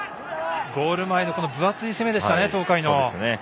ゴール前の分厚い攻めでしたね、東海の。